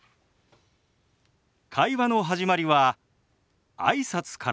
会話の始まりはあいさつからですよね。